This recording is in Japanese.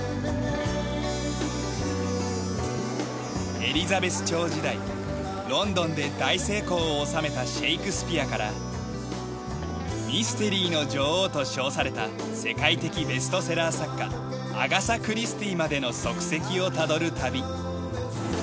エリザベス朝時代ロンドンで大成功を収めたシェイクスピアからミステリーの女王と称された世界的ベストセラー作家アガサ・クリスティーまでの足跡をたどる旅。